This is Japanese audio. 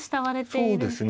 そうですね。